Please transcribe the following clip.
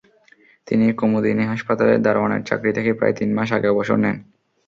তিনি কুমুদিনী হাসপাতালের দারোয়ানের চাকরি থেকে প্রায় তিন মাস আগে অবসর নেন।